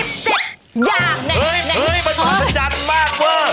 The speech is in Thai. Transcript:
มันมหาศจรรย์มากเว้อ